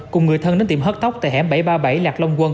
cùng người thân đến tiệm hớt tóc tại hẻm bảy trăm ba mươi bảy lạc long quân